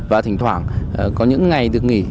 và thỉnh thoảng có những ngày được nghỉ